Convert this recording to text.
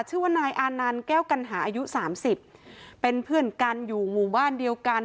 ชื่อว่านายอานันต์แก้วกัณหาอายุสามสิบเป็นเพื่อนกันอยู่หมู่บ้านเดียวกัน